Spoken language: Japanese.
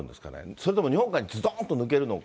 それとも日本海にずどーんと抜けるのか。